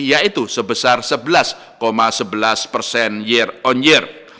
yaitu sebesar sebelas sebelas persen year on year